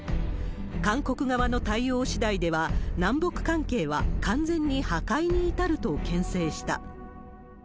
韓国側の対応しだいでは南北関係は完全に破壊に至るとけん制した。